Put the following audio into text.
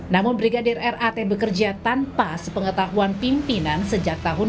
namun brigadir rat bekerja tanpa sepengetahuan pimpinan sejak tahun dua ribu